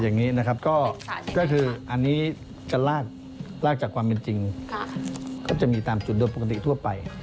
อย่างนี้นะครับก็คืออันนี้จะลากจากความเป็นจริงก็จะมีตามจุดโดยปกติทั่วไป